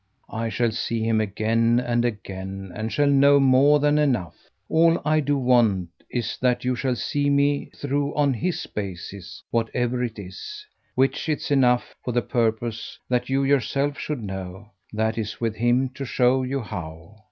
I shall see him again and again and shall know more than enough. All I do want is that you shall see me through on HIS basis, whatever it is; which it's enough for the purpose that you yourself should know: that is with him to show you how.